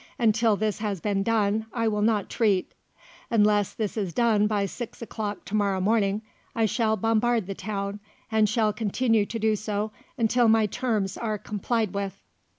Until this has been done, I will not treat. Unless this is done by six o'clock to morrow morning, I shall bombard the town and shall continue to do so until my terms are complied with."